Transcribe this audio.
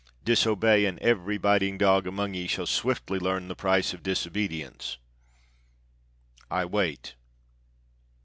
Disobey, and every biting dog among ye shall swiftly learn the price of disobedience. I wait."